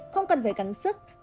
không cần phải cắn sức